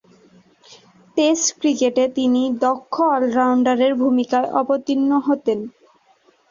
Test ক্রিকেটে তিনি দক্ষ অল-রাউন্ডারের ভূমিকায় অবতীর্ণ হতেন।